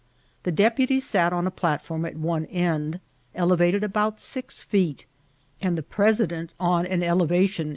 The deputies sat on a platform at one end, elevated about six feet, and the president on an elevation in a Vol.